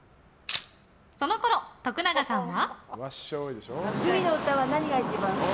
そのころ、徳永さんは？